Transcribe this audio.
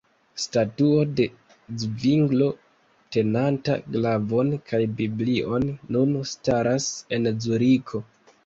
Statuo de Zvinglo tenanta glavon kaj Biblion nun staras en Zuriko.